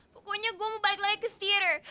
pokoknya gua mau balik lagi ke teater